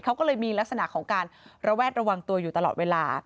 เขาก็เลยมีลักษณะของการระแวดระวังตัวอยู่ตลอดเวลา